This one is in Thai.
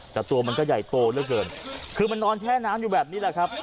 แต่ตัวมันก็ใหญ่โตเหลือเกินคือมันนอนแช่น้ำอยู่แบบนี้แหละครับ